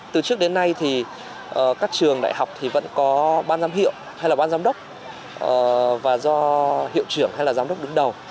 từ trước đến nay thì các trường đại học thì vẫn có ban giám hiệu hay là ban giám đốc và do hiệu trưởng hay là giám đốc đứng đầu